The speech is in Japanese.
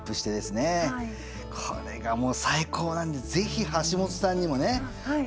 これがもう最高なんで是非橋本さんにもね。はい。